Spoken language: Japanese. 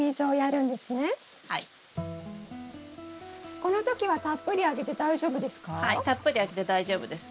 この時はたっぷりあげて大丈夫ですか？